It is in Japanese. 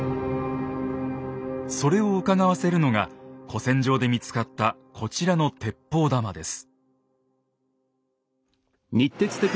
それをうかがわせるのが古戦場で見つかったこちらの鉄砲玉です。